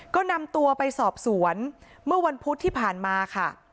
ก็นำตัวไปสอบสวนเมื่อวันพุธที่ผ่านมาค่ะ